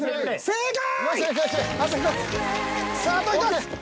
正解！